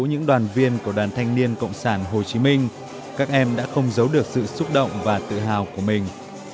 những đoàn viên của đoàn thanh niên cộng sản hồ chí minh các em đã không giấu được sự xúc động và tự hào của mình